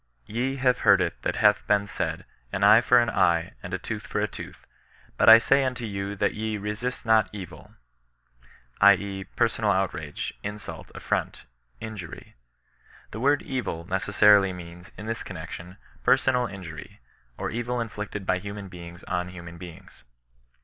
" Ye have heard that it hath been said, an eye for an eye, and a tooth for a tooth ; but I say unto you that ye resist not evil," L e. personal out rage, insult, affiront, — injury. The word m^" neces sarily means, in this connexion, personal injury, or e?il inflicted by human beings on human beings.